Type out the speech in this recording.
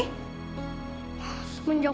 sebenernya mama tinggal disini